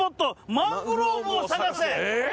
マングローブを探せ」。